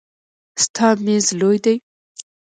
ستا میز لوی دی.